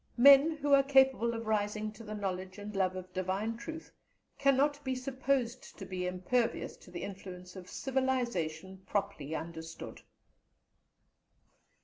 Men who are capable of rising to the knowledge and love of divine truth cannot be supposed to be impervious to the influence of civilization properly understood.